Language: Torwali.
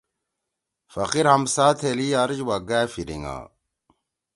پقیِر ہمسا تھیلی عرش وا گأ پھیِریِنگا